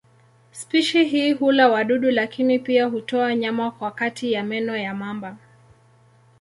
Spishi hii hula wadudu lakini pia hutoa nyama kwa kati ya meno ya mamba.